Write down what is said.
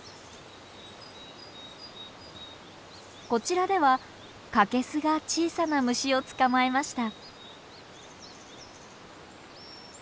こちらではカケスが小さな虫を捕まえました。